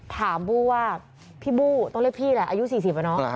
บู้ว่าพี่บู้ต้องเรียกพี่แหละอายุ๔๐อะเนาะ